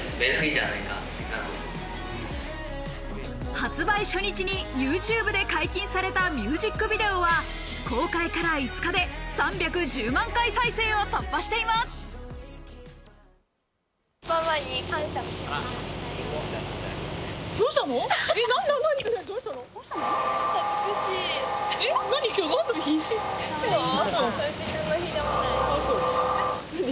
発売初日にＹｏｕＴｕｂｅで解禁されたミュージックビデオは公開から５日で３１０万回再生を突破しています。